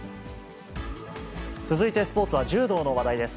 続いてスポーツは柔道の話題です。